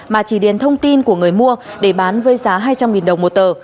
mà chỉ điền thông tin của người mua để bán với giá hai trăm linh đồng một tờ